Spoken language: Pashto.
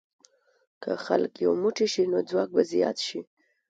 که خلک یو موټی شي، نو ځواک به زیات شي.